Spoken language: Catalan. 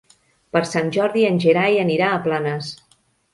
Per Sant Jordi en Gerai anirà a Planes.